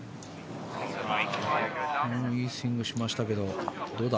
いいスイングしましたけどどうだ。